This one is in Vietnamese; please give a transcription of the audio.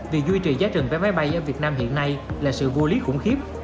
việc duy trì giá trần vé máy bay ở việt nam hiện nay là sự vô lý khủng khiếp